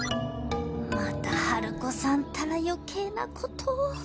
またハルコさんったら余計なことを